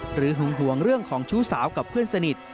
หึงหวงเรื่องของชู้สาวกับเพื่อนสนิท